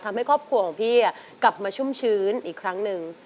ครอบครัวของพี่กลับมาชุ่มชื้นอีกครั้งหนึ่ง